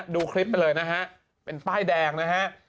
ดูคลิปไปเลยนะฮะเป็นป้ายแดงนะฮะ